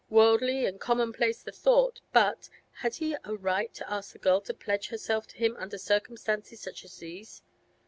Worldly and commonplace the thought, but—had he a right to ask the girl to pledge herself to him under circumstances such as these?